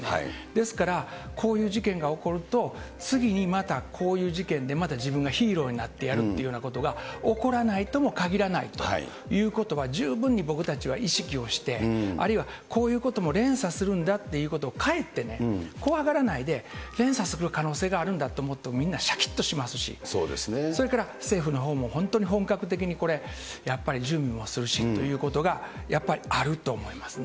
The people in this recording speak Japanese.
ですから、こういう事件が起こると、次にまたこういう事件でまた自分がヒーローになってやるということも起こらないともかぎらないということは、十分に僕たちは意識をして、あるいはこういうことも連鎖するんだっていうことを、かえって怖がらないで、連鎖する可能性があるんだって思うと、みんな、しゃきっとしますし、それから政府のほうも、本当に本格的にこれ、やっぱり準備もするしということが、やっぱりあると思いますね。